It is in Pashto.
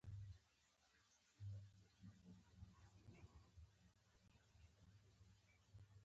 کوم کارونه چې تاسو کولای شئ هغه زه نه شم.